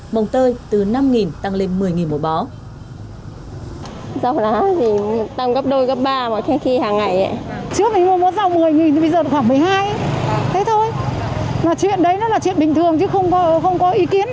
mồng tơi từ năm tăng lên một mươi đồng một bó